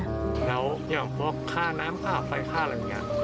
แล้วอย่างพวกค่าน้ำค่าไฟค่าอะไรอย่างนี้